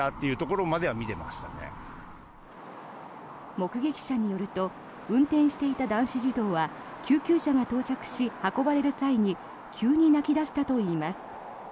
目撃者によると運転していた男子児童は救急車が到着し、運ばれる際に急に泣き出したといいます。